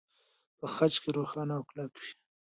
په خج کې روښانه او کلک وي.